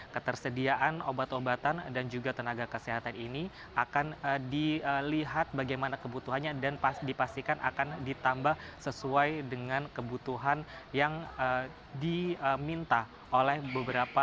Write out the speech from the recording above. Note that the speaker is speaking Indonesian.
ketersediaan obat obatan dan juga tenaga kesehatan ini akan dilihat bagaimana kebutuhannya dan dipastikan akan ditambah sesuai dengan kebutuhan yang diminta oleh beberapa